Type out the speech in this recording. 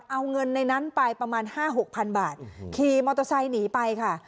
เอาเงินในนั้นไปประมาณห้าหกพันบาทขี่มอเตอร์ไซค์หนีไปค่ะ